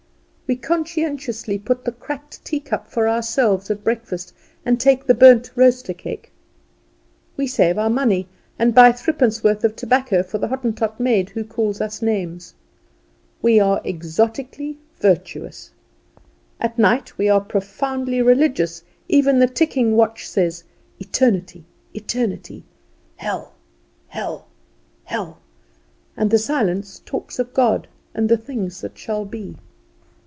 We conscientiously put the cracked teacup for ourselves at breakfast, and take the burnt roaster cake. We save our money, and buy threepence of tobacco for the Hottentot maid who calls us names. We are exotically virtuous. At night we are profoundly religious; even the ticking watch says, "Eternity, eternity! hell, hell, hell!" and the silence talks of God, and the things that shall be.